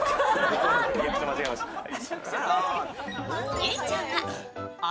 結実ちゃんはあ